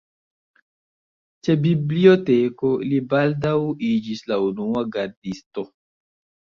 Ĉebiblioteke li baldaŭ iĝis la unua gardisto.